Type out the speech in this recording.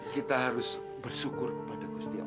kita harus bersyukur kepada gusti allah